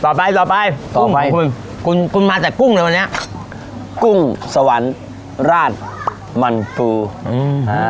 ต่อไปต่อไปต่อไปคุณมาแต่กุ้งเลยวันนี้กุ้งสวรรค์ราชมันปูอื้อหือ